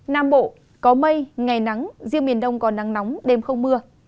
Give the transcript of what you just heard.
nam bộ có mây ngày nắng riêng miền đông còn nắng nóng đêm không mưa